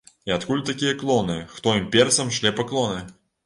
І адкуль такія клоны, хто імперцам шле паклоны?